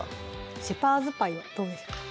「シェパーズパイ」はどうですか？